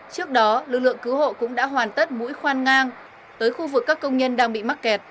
trước đó lực lượng cứu hộ cũng đã hoàn tất mũi khoan ngang tới khu vực các công nhân đang bị mắc kẹt